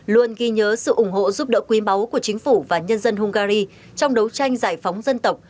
luôn ghi nhớ sự ủng hộ giúp đỡ quý máu của chính phủ và nhân dân hungary trong đấu tranh giải phóng dân tộc